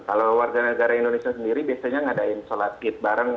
kalau warga negara indonesia sendiri biasanya ngadain sholat id bareng